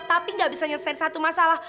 tapi gak bisa nyelesaikan satu masalah